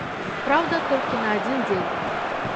Праўда, толькі на адзін дзень.